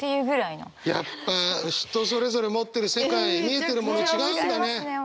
やっぱ人それぞれ持ってる世界見えてるもの違うんだね。